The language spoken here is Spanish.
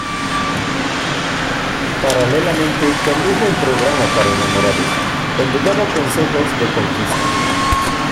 Paralelamente condujo un programa para enamorados, donde daba consejos de conquista.